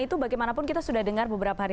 itu bagaimanapun kita sudah dengar beberapa hari